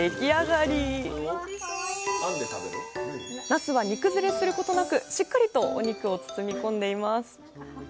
なすは煮崩れすることなくしっかりとお肉を包み込んでいます。